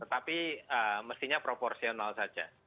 tetapi mestinya proporsional saja